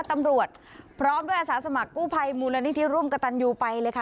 ตำรวจพร้อมด้วยอาสาสมัครกู้ภัยมูลนิธิร่วมกระตันยูไปเลยค่ะ